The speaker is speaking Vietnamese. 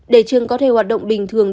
để trường có thể hoạt động bình thường